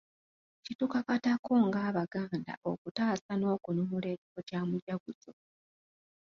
Kitukakatako ng'Abaganda okutaasa n’okununula ekifo kya Mujaguzo.